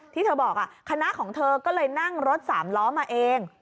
ที่เธอบอกคณะของเธอก็เลยนั่งรถสามล้อมาเอง